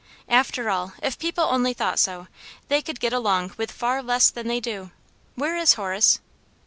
" After all, if people only thought so, they could get along with far less than they do. Where is Horace